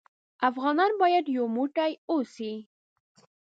افغانان بايد يو موټى اوسې.